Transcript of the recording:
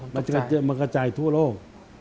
มันจะมันจะกระจายทั่วโลก